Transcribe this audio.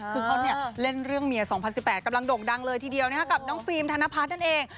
คือเขาเนี่ยเล่นเรื่องเมีย๒๐๑๘กำลังโด่งดังเลยทีเดียวกับน้องฟิล์มธนพัฒน์นั่นเอง